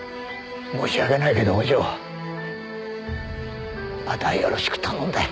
申し訳ないけどお嬢あとはよろしく頼んだよ。